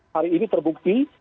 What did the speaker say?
hari ini terbukti